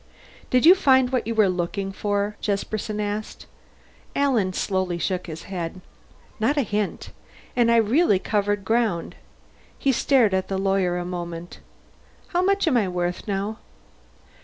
"Did you find what you were looking for?" Jesperson asked. Alan slowly shook his head. "Not a hint. And I really covered ground." He stared at the lawyer a moment. "How much am I worth, now?"